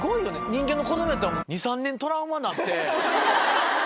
人間の子どもだったら、２、３年、トラウマなって。